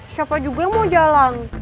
siapa juga yang mau jalan